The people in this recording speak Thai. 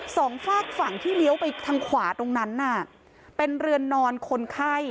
สองฝากฝั่งที่เลี้ยวไปทางขวาตรงนั้นน่ะเป็นเรือนนอนคนไข้